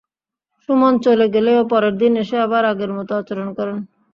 সুমন চলে গেলেও পরের দিন এসে আবার আগের মতো আচরণ করেন।